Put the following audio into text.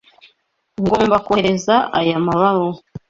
Ngomba kohereza aya mabaruwa.